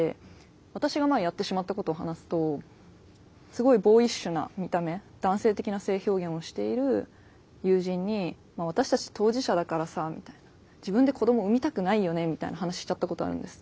私が前やってしまったことを話すとすごいボーイッシュな見た目男性的な性表現をしている友人に「私たち当事者だからさ」みたいな「自分で子供産みたくないよね」みたいな話しちゃったことあるんです。